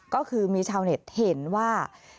ก็คือมีชาวเน็ตเห็นว่า